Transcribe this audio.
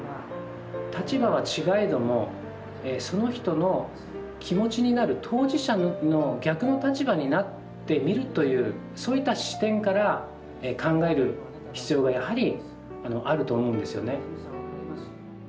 立場は違えどもその人の気持ちになる当事者の逆の立場になってみるというそういった視点から考える必要がやはりあると思うんですよね。